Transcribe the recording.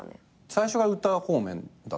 最初は歌方面だったの？